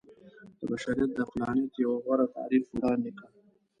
د بشريت د عقلانيت يو غوره تعريف وړاندې کړ.